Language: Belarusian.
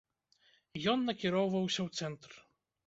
Ён накіроўваўся ў цэнтр.